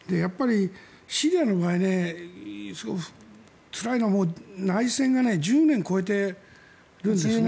シリアの場合、すごくつらいのは内戦が１０年超えているんですね。